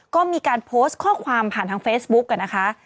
ก็มีการโพสต์ข้อความผ่านทางเฟซบุ๊กนะคะ